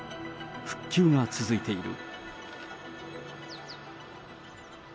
復旧が続いている。